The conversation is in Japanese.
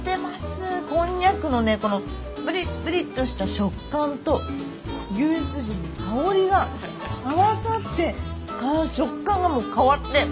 こんにゃくのねこのプリプリとした食感と牛スジの香りが合わさって食感がもう変わってめっちゃおいしい！